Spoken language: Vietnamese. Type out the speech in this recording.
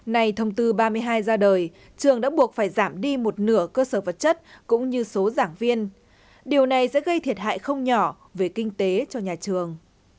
này thông tư ba mươi hai ra đời trường đã buộc phải giảm đi một nửa cơ sở vật chất cũng như số giảng viên điều này sẽ gây thiệt hại không nhỏ về kinh tế cho nhà trường